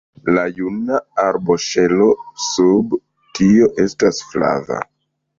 La juna arboŝelo sub tio estas flava.